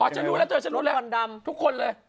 อ๋อฉันรู้แล้วฉันรู้แล้วทุกคนเลย